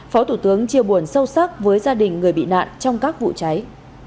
phó thủ tướng chia buồn sâu sắc với gia đình người bị nạn trong các vụ cháy